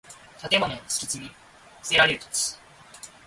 建物の敷地に供せられる土地